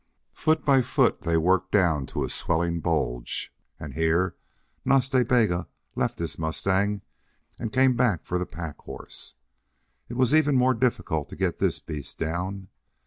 Foot by foot they worked down to a swelling bulge, and here Nas Ta Bega left his mustang and came back for the pack horse. It was even more difficult to get this beast down.